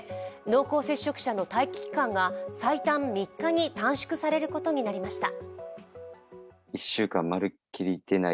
濃厚接触者の待機期間が最短３日に短縮されることになりました。